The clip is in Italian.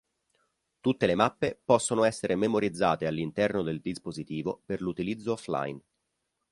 Tutte le mappe possono essere memorizzate all'interno del dispositivo per l'utilizzo offline.